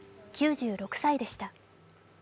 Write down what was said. ９６歳でした。